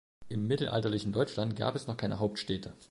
Im mittelalterlichen Deutschland gab es noch keine Hauptstädte.